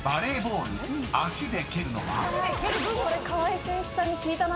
これ川合俊一さんに聞いたな。